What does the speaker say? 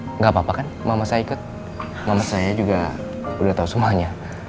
enggak apa apa kan mama saya ikut mama saya juga udah tahu semuanya